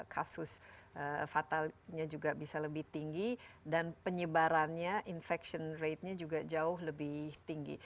kasus fatalnya juga bisa lebih tinggi dan penyebarannya infection ratenya juga jauh lebih tinggi